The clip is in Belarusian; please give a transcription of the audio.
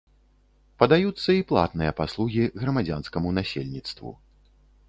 Падаюцца і платныя паслугі грамадзянскаму насельніцтву.